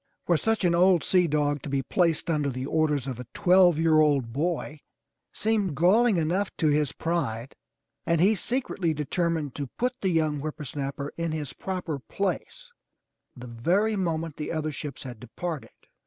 For such an old sea dog to be placed under the orders of a twelve year old boy seemed galling enough to his pride and he secretly determined to put the young whippersnapper in his proper place the very moment the other ships had departed.